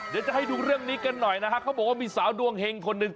ก็ให้ดูเรื่องนี้กันหน่อยนะครับเขาบอกว่ามีสาวดวงเหงคนหนึ่ง